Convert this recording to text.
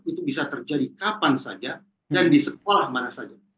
itu bisa terjadi kapan saja dan di sekolah mana saja